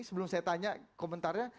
sebelum saya tanya komentarnya